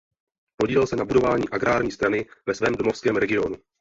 Podílel se na budování agrární strany ve svém domovském regionu.